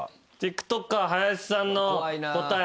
ＴｉｋＴｏｋｅｒ林さんの答え